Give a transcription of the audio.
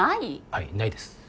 はいないです。